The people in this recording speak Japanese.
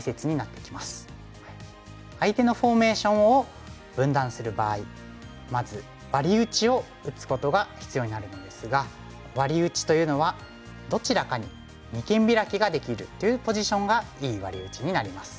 相手のフォーメーションを分断する場合まずワリ打ちを打つことが必要になるのですがワリ打ちというのはどちらかに二間ビラキができるというポジションがいいワリ打ちになります。